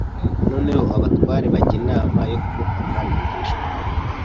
Noneho abatware bajya inama yo kumufata rwihishwa